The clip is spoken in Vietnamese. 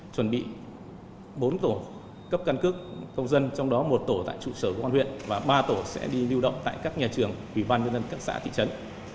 chuẩn bị bốn tổ cấp căn cước công dân trong đó một tổ tại trụ sở công an huyện và ba tổ sẽ đi lưu động tại các nhà trường ủy ban nhân dân các xã thị trấn